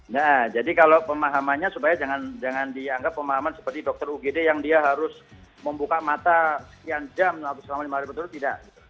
nah jadi kalau pemahamannya supaya jangan dianggap pemahaman seperti dokter ugd yang dia harus membuka mata sekian jam selama lima hari berturut tidak